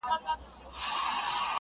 • چي راسره وه لکه غر درانه درانه ملګري..